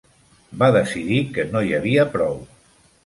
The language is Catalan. Va decidir que no hi havia prou.